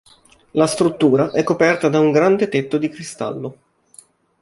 La struttura è coperta da un grande tetto di cristallo.